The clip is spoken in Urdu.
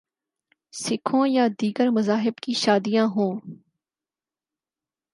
سکھوں یا دیگر مذاہب کی شادیاں ہوں۔